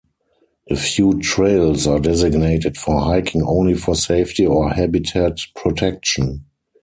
A few trails are designated for hiking only for safety or habitat protection.